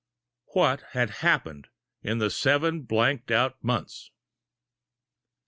What had happened in the seven blanked out months?